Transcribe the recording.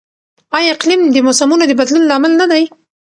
آیا اقلیم د موسمونو د بدلون لامل نه دی؟